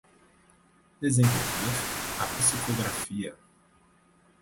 Desenvolver a psicografia